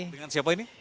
dengan siapa ini